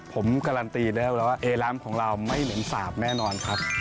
ผมการันตีได้แล้วว่าเอล้ามของเราไม่เหม็นสาบแน่นอนครับ